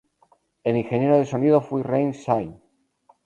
El ingeniero de Sonido fue Raine Shine.